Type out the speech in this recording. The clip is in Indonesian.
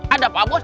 ada pak bos